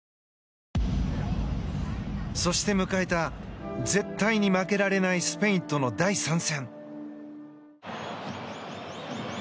そして迎えた絶対に負けられないスペインとの第３戦。